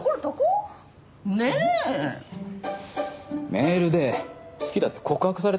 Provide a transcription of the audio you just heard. メールで「好きだ」って告白されたんだよ